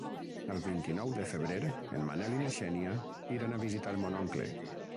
El vint-i-nou de febrer en Manel i na Xènia iran a visitar mon oncle.